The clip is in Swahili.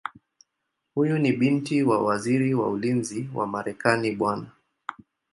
Huyu ni binti wa Waziri wa Ulinzi wa Marekani Bw.